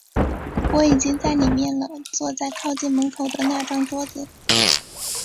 我已经在里面了，坐在靠近门口的那张桌子。